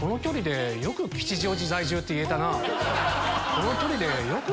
この距離でよく